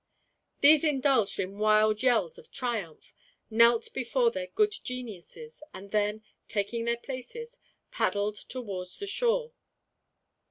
These indulged in wild yells of triumph, knelt before their good geniuses, and then, taking their places, paddled towards the shore.